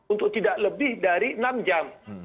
untuk tidak lebih dari enam jam